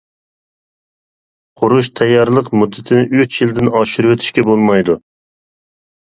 قۇرۇش تەييارلىق مۇددىتىنى ئۈچ يىلدىن ئاشۇرۇۋېتىشكە بولمايدۇ.